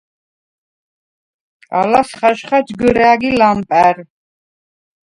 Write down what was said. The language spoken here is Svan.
ალას ხაჟხა ჯგჷრა̄̈გი ლამპა̈რ.